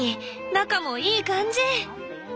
中もいい感じ！